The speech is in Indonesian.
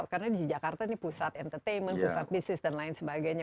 karena di jakarta ini pusat entertainment pusat bisnis dan lain sebagainya